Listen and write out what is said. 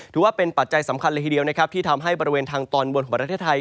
ถือว่าเป็นปัจจัยสำคัญเลยทีเดียวที่ทำให้บริเวณทางตอนบนของประเทศไทย